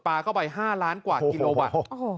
ปาก็ไป๕ล้านกว่ากิโลบาท